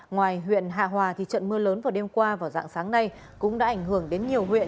ngoài huyện hạ hòa trận mưa lớn vào đêm qua và dạng sáng nay cũng đã ảnh hưởng đến nhiều huyện